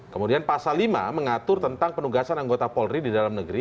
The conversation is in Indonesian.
kemudian pasal lima mengatur tentang penugasan anggota polri di dalam negeri